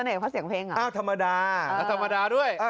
เพราะเสียงเพลงอ่าธรรมดาธรรมดาด้วย